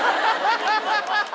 ハハハハ！